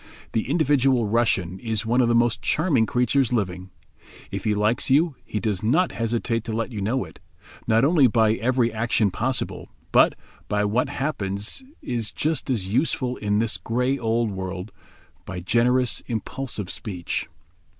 The individual Russian is one of the most charming creatures living. If he like you he does not hesitate to let you know it; not only by every action possible, but, by what perhaps is just as useful in this grey old world, by generous, impulsive speech.